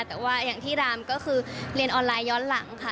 แต่ว่าอย่างที่รามก็คือเรียนออนไลน์ย้อนหลังค่ะ